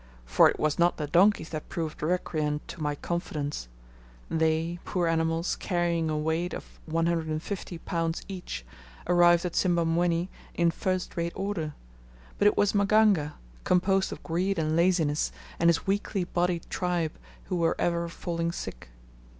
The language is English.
For it was not the donkeys that proved recreant to my confidence; they, poor animals, carrying a weight of 150 lbs. each, arrived at Simbamwenni in first rate order; but it was Maganga, composed of greed and laziness, and his weakly bodied tribe, who were ever falling sick.